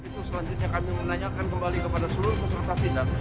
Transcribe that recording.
itu selanjutnya kami menanyakan kembali kepada seluruh peserta tindak